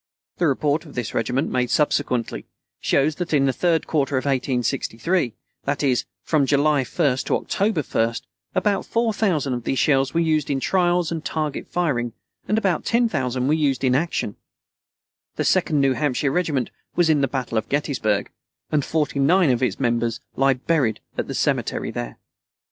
The report of this regiment, made subsequently, shows that in the third quarter of 1863 that is, from July 1st to October 1st about 4,000 of these shells were used in trials and target firing, and about 10,000 were used in action. The Second New Hampshire regiment was in the battle of Gettysburg, and 49 of its members lie buried in the cemetery there.